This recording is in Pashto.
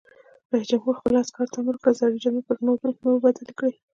رئیس جمهور خپلو عسکرو ته امر وکړ؛ زړې جامې پر نوو بدلې کړئ!